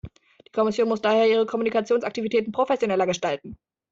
Die Kommission muss daher ihre Kommunikationsaktivitäten professioneller gestalten.